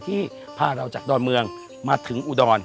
ที่พาเราจากดอนเมืองมาถึงอุดร